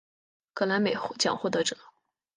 格莱美奖获得者。